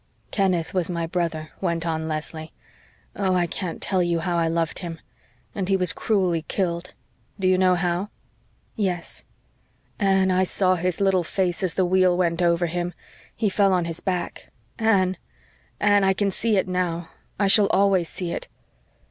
"Kenneth was my brother," went on Leslie. "Oh, I can't tell you how I loved him. And he was cruelly killed. Do you know how?" "Yes." "Anne, I saw his little face as the wheel went over him. He fell on his back. Anne Anne I can see it now. I shall always see it.